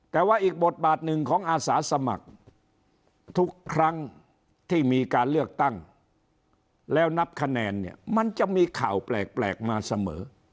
แต่ว่าอีกบทบาทหนึ่งของอาสาสมัครทุกครั้งที่มีการเลือกตั้งแล้วนับคะแนนเนี่ยมันจะมีข่าวแปลกมาเสมอ